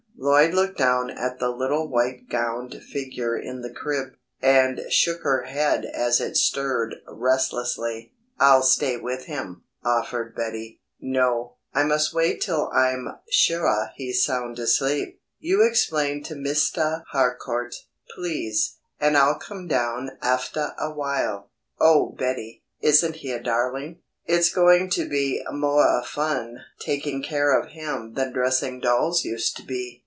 Lloyd looked down at the little white gowned figure in the crib, and shook her head as it stirred restlessly. "I'll stay with him," offered Betty. "No, I must wait till I'm suah he's sound asleep. You explain to Mistah Harcourt, please, and I'll come down aftah awhile. Oh, Betty! Isn't he a darling? It's going to be moah fun taking care of him than dressing dolls used to be!"